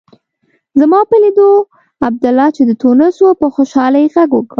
زما په لیدو عبدالله چې د تونس و په خوشالۍ غږ وکړ.